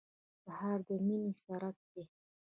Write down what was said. سهار د مینې څرک دی.